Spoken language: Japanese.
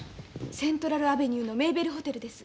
セントラル・アベニューのメイベルホテルです。